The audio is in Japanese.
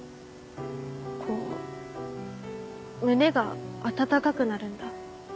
こう胸が温かくなるんだ。